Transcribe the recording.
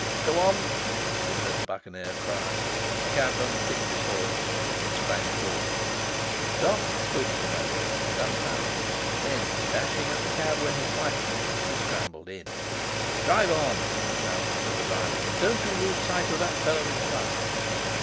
"Go on!" he heard the Buccaneer cry. The cabman flicked his horse. It sprang forward. Dartie stood for a moment dumbfounded; then, dashing at the cab where his wife sat, he scrambled in. "Drive on!" he shouted to the driver, "and don't you lose sight of that fellow in front!"